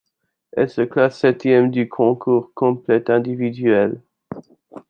Elle se classe septième du concours complet individuel.